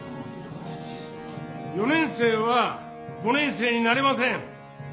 「４年生は５年生になれません。